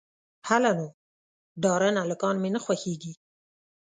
_هله نو، ډارن هلکان مې نه خوښېږي.